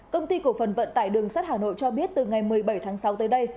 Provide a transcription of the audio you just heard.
công ty cổ phần vận tải đường sắt hà nội cho biết từ ngày một mươi bảy tháng sáu tới đây